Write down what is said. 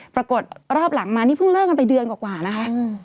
ปรากฏรอบหลังมานี่เพิ่งเลิกกันไปเดือนกว่านะคะ